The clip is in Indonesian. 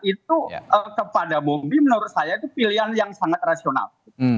itu kepada bobi menurut saya itu pilihan yang sangat rasional